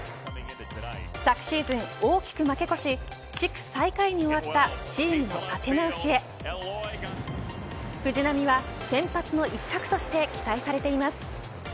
昨シーズン大きく負け越し地区最下位に終わったチームの立て直しへ藤浪は先発の一角として期待されています。